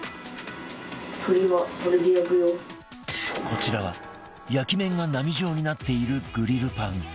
こちらは焼き面が波状になっているグリルパン